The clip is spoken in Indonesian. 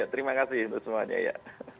terima kasih untuk semuanya ya